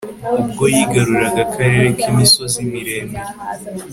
ubwo yigaruriraga akarere k'imisozi miremire